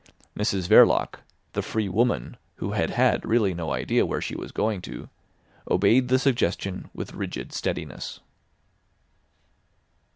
Mrs Verloc, the free woman who had had really no idea where she was going to, obeyed the suggestion with rigid steadiness.